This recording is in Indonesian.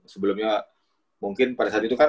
sebelumnya mungkin pada saat itu kan